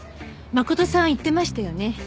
真琴さん言ってましたよね。